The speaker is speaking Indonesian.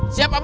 siap pak bos